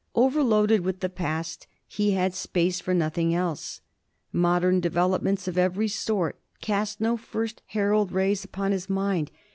Overloaded with the past, he had space for nothing else. Modern developments of every sort cast no first herald rays upon his mind.